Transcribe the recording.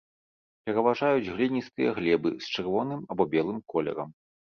Пераважаюць гліністыя глебы з чырвоным або белым колерам.